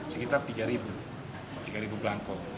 sekitar tiga belangko